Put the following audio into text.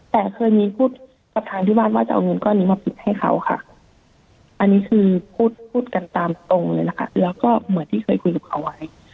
แต่เคยมีพูดประธานที่บ้านว่าจะเอาเงินก้อนนี้มาปิดให้เขาค่ะอันนี้คือพูดพูดกันตามตรงเลยนะคะแล้วก็เหมือนที่เคยคุยกับเขาไว้